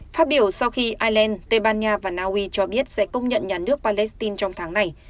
phát biểu sau khi ireland tây ban nha và naui cho biết sẽ công nhận nhà nước palestine trong tháng này